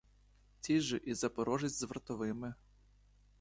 Ті ж і запорожець з вартовими.